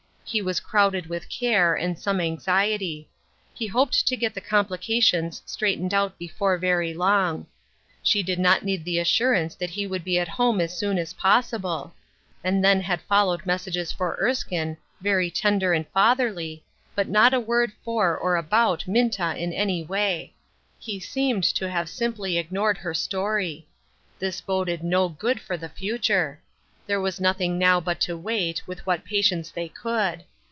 He was crowded with care, and some anxiety. He hoped to get the complications straightened out before very long ; she did not need the assurance that he would be at home as soon as possible ; and then had fol lowed messages for Erskine, very tender and fatherly, but not a word for, or about, Minta in any way. He seemed to have simply ignored her story. This boded no good for the future. There was nothing now but to wait, with what patience they could.